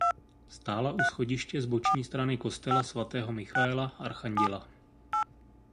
Stála u schodiště z boční strany kostela svatého Michaela archanděla.